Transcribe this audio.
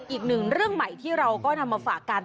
อีกหนึ่งเรื่องใหม่ที่เราก็นำมาฝากกัน